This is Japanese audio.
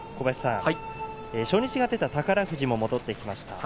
初日が出た宝富士戻ってきました。